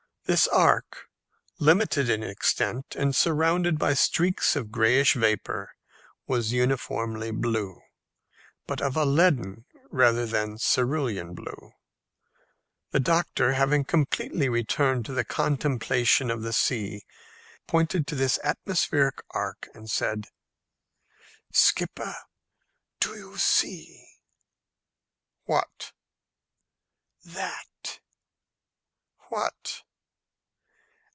This arc, limited in extent, and surrounded by streaks of grayish vapour, was uniformly blue, but of a leaden rather than cerulean blue. The doctor, having completely returned to the contemplation of the sea, pointed to this atmospheric arc, and said, "Skipper, do you see?" "What?" "That." "What?"